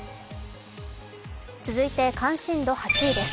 続いて関心度８位です。